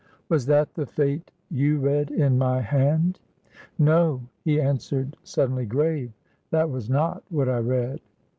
' Was that the fate you read in my hand ?'' No,' he answered, suddenly grave ;' that was not what I read.